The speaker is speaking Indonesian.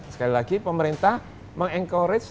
sekali lagi pemerintah mengencourage